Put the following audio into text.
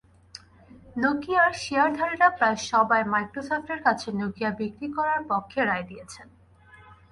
নকিয়ার শেয়ারধারীরা প্রায় সবাই মাইক্রোসফটের কাছে নকিয়া বিক্রি করার পক্ষে রায় দিয়েছেন।